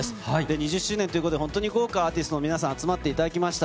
２０周年ということで、本当に豪華アーティストの皆さん、集まっていただきました。